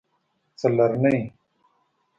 څلرنۍ